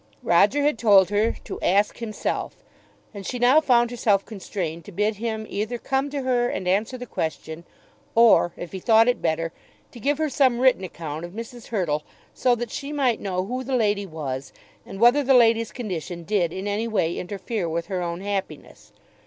Roger had told her to "ask himself;" and she now found herself constrained to bid him either come to her and answer the question, or, if he thought it better, to give her some written account of Mrs. Hurtle, so that she might know who the lady was, and whether the lady's condition did in any way interfere with her own happiness.